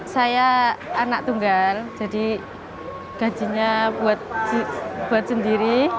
saya anak tunggal jadi gajinya buat sendiri